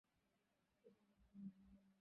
আমরা যাহাকে শুভ বলি, তাহা অপেক্ষাও উহা উচ্চতর।